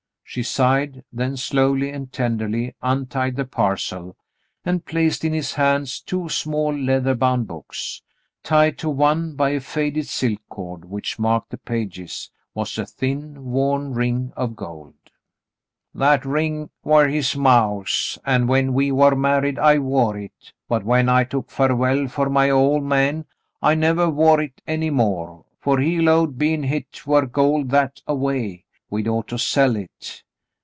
She sighed, then slowly and tenderly untied the parcel and placed in his hands two small leather bound books. Tied to one by a faded silk cord which marked the pages was a thin, worn ring of gold. "That ring war his maw's, an' when we war married, I wore hit, but when I took Farwell fer my ol' man, I nevah wore hit any more, fer he 'lowed, bein' hit war gold that a way, we'd ought to sell hit.